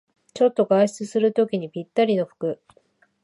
ちょっと外出するときにぴったりの服